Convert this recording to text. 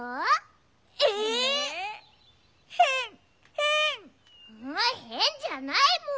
うへんじゃないもん。